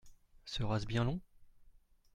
Sera-ce bien long ?